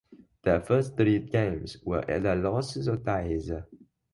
Their first three games were either losses or ties.